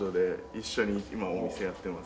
一緒に今お店やってます。